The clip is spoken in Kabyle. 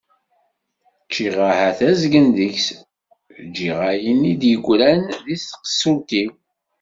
Ččiɣ ahat azgen deg-s, ǧǧiɣ ayen i d-yegran deg tqessult-iw.